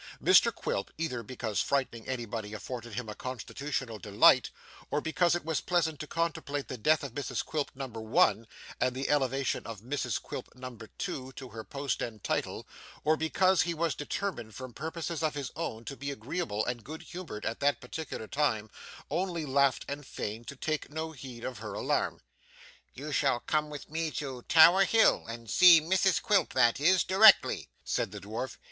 Mr Quilp, either because frightening anybody afforded him a constitutional delight, or because it was pleasant to contemplate the death of Mrs Quilp number one, and the elevation of Mrs Quilp number two to her post and title, or because he was determined from purposes of his own to be agreeable and good humoured at that particular time, only laughed and feigned to take no heed of her alarm. 'You shall come with me to Tower Hill and see Mrs Quilp that is, directly,' said the dwarf.